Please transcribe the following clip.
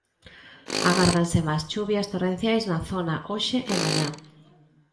Agárdanse máis chuvias torrenciais na zona hoxe e mañá.